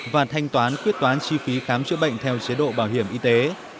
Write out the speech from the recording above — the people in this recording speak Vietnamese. và thanh toán quyết toán chi phí khám chữa bệnh theo chế độ bảo hiểm y tế